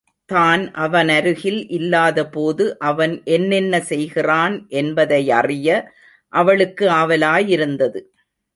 தான் அவனருகில் இல்லாத போது அவன் என்னென்ன செய்கிறான் என்பதையறிய அவளுக்கு ஆவலாயிருந்தது.